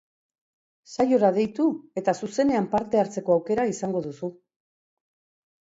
Saiora deitu eta zuzenean parte hartzeko aukera izango duzu.